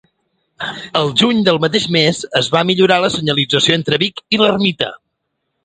El Juny del mateix mes es va millorar la senyalització entre Vic i l'ermita.